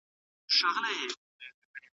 دورکهایم د ټولنیزو حقایقو په اړه وغږېد.